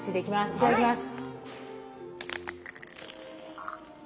いただきます。